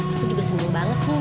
aku juga seneng banget nih